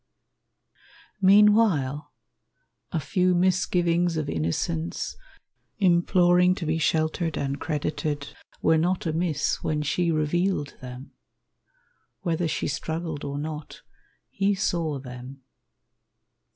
Meanwhile, a few misgivings of innocence, Imploring to be sheltered and credited, Were not amiss when she revealed them. Whether she struggled or not, he saw them.